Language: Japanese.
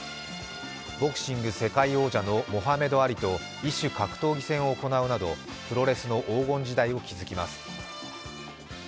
ボクシング世界王者のモハメド・アリと異種格闘技戦を行うなどプロレスの黄金時代を築きます。